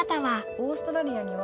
オーストラリアには。